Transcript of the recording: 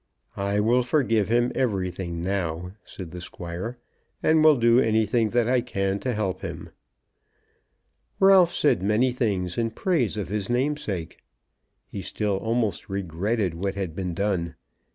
"I will forgive him everything now," said the Squire, "and will do anything that I can to help him." Ralph said many things in praise of his namesake. He still almost regretted what had been done.